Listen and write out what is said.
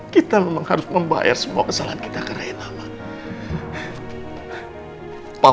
kita memang harus membayar semua kesalahan kita ke rena ma